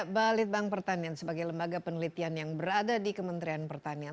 balitbank pertanian sebagai lembaga penelitian yang berada di kementerian pertanian